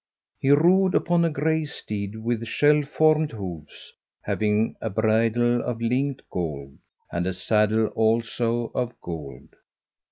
He rode upon a grey steed with shell formed hoofs, having a bridle of linked gold, and a saddle also of gold.